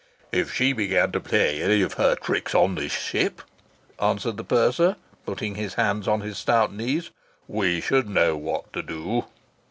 "If she began to play any of her tricks in this ship," answered the purser, putting his hands on his stout knees, "we should know what to do?"